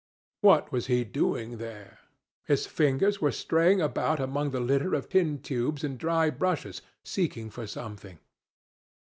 What was he doing there? His fingers were straying about among the litter of tin tubes and dry brushes, seeking for something.